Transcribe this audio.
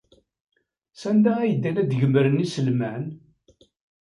Sanda ay ddan ad gemren iselman?